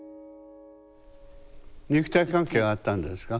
肉体関係はあったんですか？